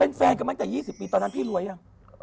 เป็นแฟนกันมาตั้งแต่๒๐ปีตอนนั้นพี่รวยยัง